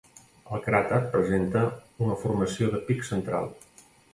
El cràter presenta una formació de pic central.